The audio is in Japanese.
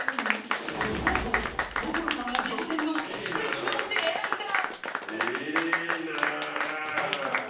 この後所さんも仰天の奇跡の出会いが！